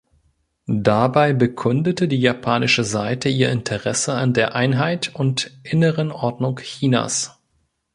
Dabei bekundete die japanische Seite ihr Interesse an der Einheit und inneren Ordnung Chinas.